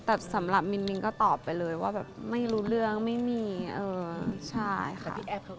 แต่สำหรับมินมินก็ตอบไปเลยว่าแบบไม่รู้เรื่องไม่มีเออใช่ค่ะพี่แอฟ